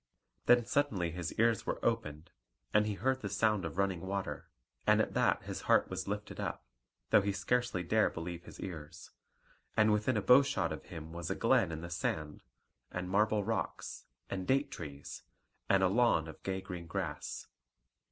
Then suddenly his ears were opened, and he heard the sound of running water. And at that his heart was lifted up, though he scarcely dare believe his ears; and within a bowshot of him was a glen in the sand, and marble rocks, and date trees, and a lawn of gay green grass.